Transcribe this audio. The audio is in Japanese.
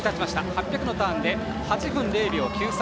８００ｍのターンで８分０秒９３。